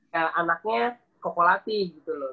ya anaknya koko latih gitu loh